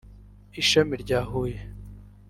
ishami rya Huye